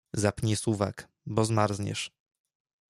Zapnij suwak, bo zmarzniesz.